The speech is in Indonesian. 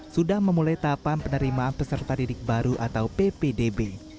sudah memulai tahapan penerimaan peserta didik baru atau ppdb